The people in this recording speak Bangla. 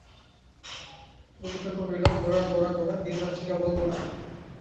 ললিতা কহিল, গোরা, গোরা, গোরা, দিনরাত্রি কেবল গোরা!